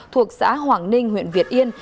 thuộc xã hoàng ninh huyện việt yên